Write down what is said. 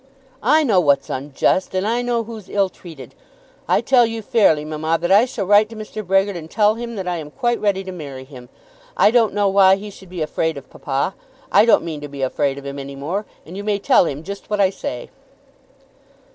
"I know what's unjust, and I know who's ill treated. I tell you fairly, mamma, that I shall write to Mr. Brehgert and tell him that I am quite ready to marry him. I don't know why he should be afraid of papa. I don't mean to be afraid of him any more, and you may tell him just what I say."